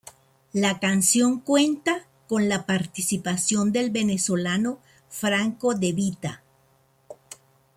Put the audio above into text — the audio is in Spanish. La canción cuenta con la participación del venezolano Franco De Vita.